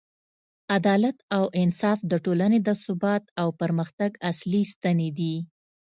عدالت او انصاف د ټولنې د ثبات او پرمختګ اصلي ستنې دي.